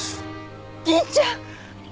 銀ちゃん！